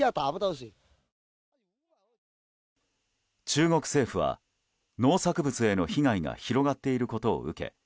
中国政府は、農作物への被害が広がっていることを受け